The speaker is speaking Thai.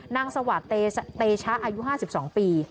สวัสดิ์เตชะอายุ๕๒ปี